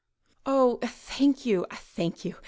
"Oh, thank you ... thank you